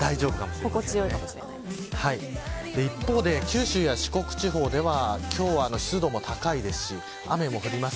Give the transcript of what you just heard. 心地良いかもしれ一方で、九州、四国地方では今日は湿度も高いですし雨も降ります。